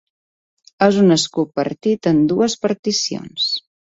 És un escut partit en dues particions.